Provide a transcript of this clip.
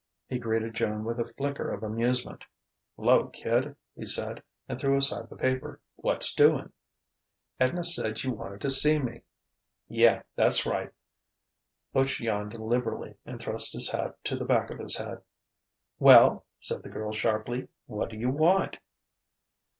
He greeted Joan with a flicker of amusement. "'Lo, kid!" he said: and threw aside the paper. "What's doing?" "Edna said you wanted to see me." "Yeh: that's right." Butch yawned liberally and thrust his hat to the back of his head. "Well?" said the girl sharply. "What do you want?"